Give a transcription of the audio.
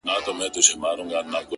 • کور مي ورانېدی ورته کتله مي ـ